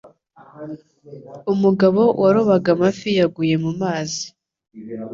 umugabo warobaga amafi yaguye mu mazi